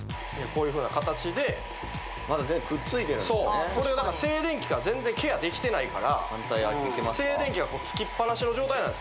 こういうふうな形でまだくっついてるこれはだから静電気が全然ケアできてないから静電気がつきっぱなしの状態なんですよ